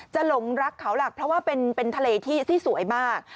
หลงรักเขาหลักเพราะว่าเป็นทะเลที่สวยมาก